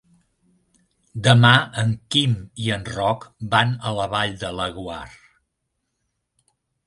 Demà en Quim i en Roc van a la Vall de Laguar.